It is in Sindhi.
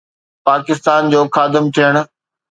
پاڪستان جو خادم ٿيڻ.